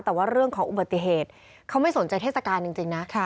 แต่ว่าเรื่องของอุบัติเหตุเขาไม่สนใจเทศกาลจริงนะ